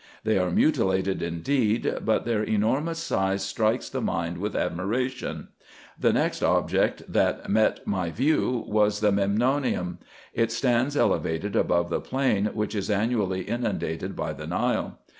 They are mutilated indeed, but their enormous size strikes the mind with admiration. The next object that met my IN EGYPT, NUBIA, Sc 39 view was the Memnonium. It stands elevated above the plain, which is annually inundated by the Nile.